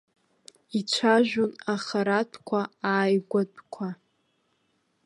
Ицәажәон ахаратәқәа, ааигәатәқәа.